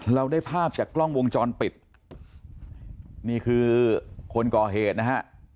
เราได้ภาพจากกล้องวงจรปิดนี่คือคนก่อเหตุนะฮะ